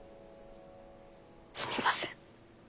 すみません。